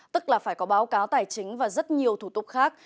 tức là phải có báo cáo tài chính và rất nhiều thủ tục khác